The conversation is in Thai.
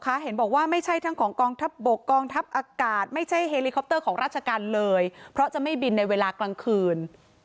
เห็นบอกว่าไม่ใช่ทั้งของกองทัพบกกองทัพอากาศไม่ใช่เฮลิคอปเตอร์ของราชการเลยเพราะจะไม่บินในเวลากลางคืน